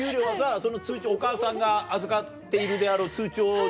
その通帳お母さんが預かっているであろう通帳に。